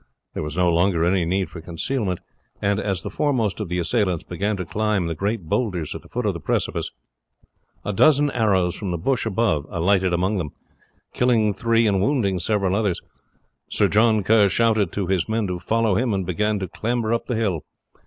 There was no longer any need for concealment, and as the foremost of the assailants began to climb the great boulders at the foot of the precipice, a dozen arrows from the bush above alighted among them; killing three and wounding several others. Sir John Kerr shouted to his men to follow him, and began to clamber up the hill.